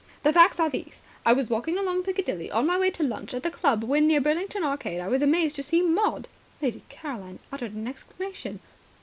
"The facts are these. I was walking along Piccadilly on my way to lunch at the club, when, near Burlington Arcade, I was amazed to see Maud." Lady Caroline uttered an exclamation.